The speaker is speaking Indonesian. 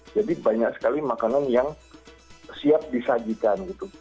jadi banyak sekali makanan yang siap disajikan gitu